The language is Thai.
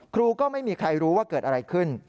ครูก็ไม่มีใครรู้ว่าเกิดอะไรขึ้น